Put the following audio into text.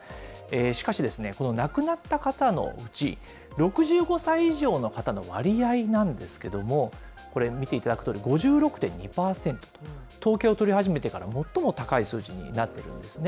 しかし、この亡くなった方のうち、６５歳以上の方の割合なんですけれども、これ見ていただくとおり、５６．２％と、統計を取り始めてから最も高い数字になってるんですね。